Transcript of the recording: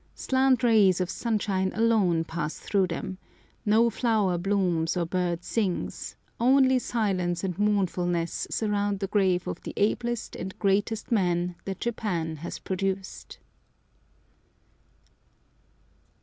Slant rays of sunshine alone pass through them, no flower blooms or bird sings, only silence and mournfulness surround the grave of the ablest and greatest man that Japan has produced.